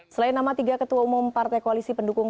selain nama tiga ketua umum partai koalisi pendukung